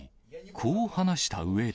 こう話したうえで。